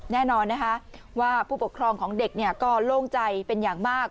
แน่นอนนะคะว่าผู้ปกครองของเด็กก็โล่งใจเป็นอย่างมาก